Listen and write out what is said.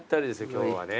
今日はね